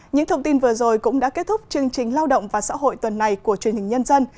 những thông tin vừa rồi cũng đã kết thúc chương trình lao động và xã hội tuần này của truyền hình nhân dân